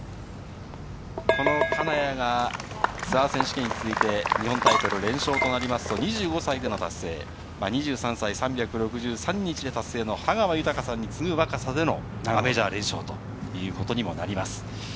金谷がツアー選手権に続いて日本タイトル連勝となると、２５歳での達成、２３歳３６３日で達成の羽川豊さんに次ぐ若さでのメジャー連勝となります。